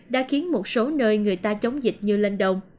đã khiến một số nơi người ta chống dịch như lên đông